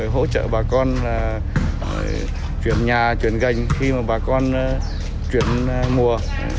hỗ trợ bà con chuyển nhà chuyển gành khi mà bà con chuyển mùa